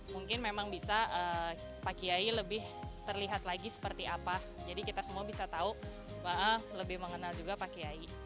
mungkin memang bisa pak kiai lebih terlihat lagi seperti apa jadi kita semua bisa tahu lebih mengenal juga pak kiai